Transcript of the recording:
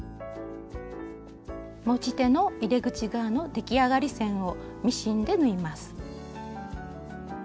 持ち手の入れ口側の出来上がり線をミシンで縫います。